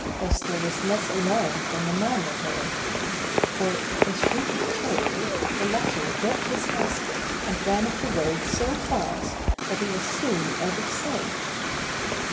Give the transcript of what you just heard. Buster was less alarmed than the man apparently, for with a shriek of terror the latter dropped his basket and ran up the road so fast that he was soon out of sight.